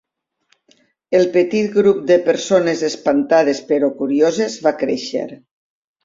El petit grup de persones espantades però curioses va créixer.